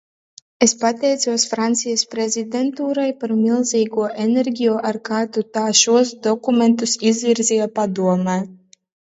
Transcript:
Es paticos Francijas prezidentūrai par milzīgo enerģiju, ar kādu tā šos dokumentus izvirzīja Padomē.